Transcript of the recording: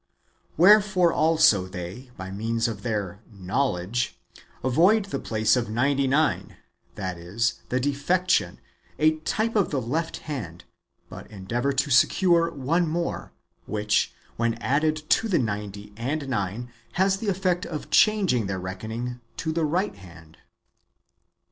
Where fore also they, by means of their " knowledge," avoid the place of ninety nine, that is, the defection — a type of the left hand,^ — but endeavour to secure one more, which, when added to the ninety and nine, has the effect of changing their reckoning; to the rio; ht hand.